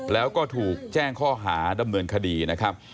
แล้วก็ถูกแจ้งข้อหาดำเนินคดีนะครับ